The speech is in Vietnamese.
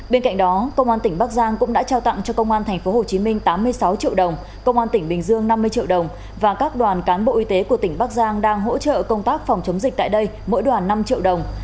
bên cạnh đó công an tỉnh bắc giang cũng đã trao tặng cho công an tp hcm tám mươi sáu triệu đồng công an tỉnh bình dương năm mươi triệu đồng và các đoàn cán bộ y tế của tỉnh bắc giang đang hỗ trợ công tác phòng chống dịch tại đây mỗi đoàn năm triệu đồng